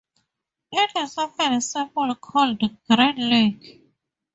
It is often simply called Grand Lake.